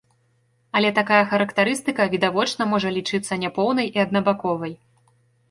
Але такая характарыстыка відавочна можа лічыцца няпоўнай і аднабаковай.